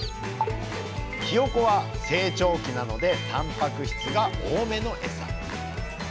ひよこは成長期なのでたんぱく質が多めのエサ。